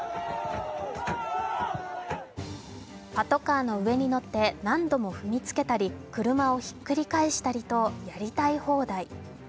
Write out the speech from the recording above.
パトカーの上に乗って何度も踏みつけたり車をひっくり返したりとやりたい放題。